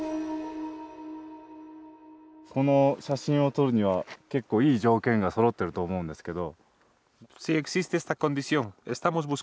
この写真を撮るには結構いい条件がそろってると思うんですけど。